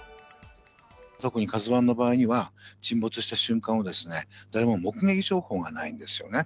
特にＫＡＺＵＩの場合には、沈没した瞬間をですね、誰も目撃情報がないんですよね。